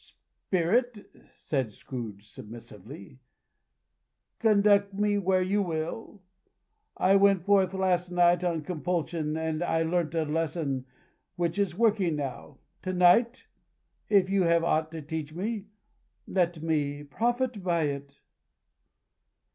"Spirit," said Scrooge, submissively, "conduct me where you will. I went forth last night on compulsion, and I learnt a lesson which is working now. To night, if you have aught to teach me, let me profit by it."